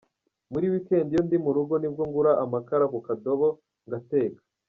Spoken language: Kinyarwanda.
Muri weekend iyo ndi mu rugo nibwo ngura amakara ku kadobo ngateka.